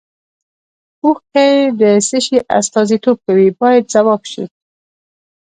اوښکې د څه شي استازیتوب کوي باید ځواب شي.